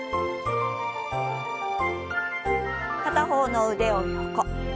片方の腕を横。